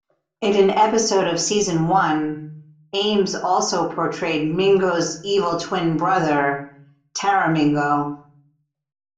In an episode of Season One, Ames also portrayed Mingo's evil twin brother, Taramingo.